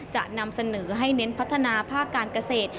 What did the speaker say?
จะนำเสนอให้เน้นพัฒนาภาคการเกษตร